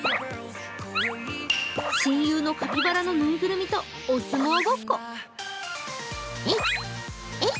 親友のカピバラの縫いぐるみとお相撲ごっこ。